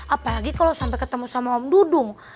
apalagi kalo sampe ketemu sama om dudung